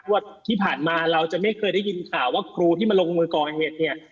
ว่าที่ผ่านมาเราจะไม่เคยได้ยินข่าวว่าครูที่มาลงมือก่อเหตุเนี่ย